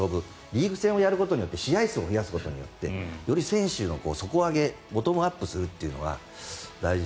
リーグ戦をやることによって試合数を増やすことで選手の底上げボトムアップするというのが大事。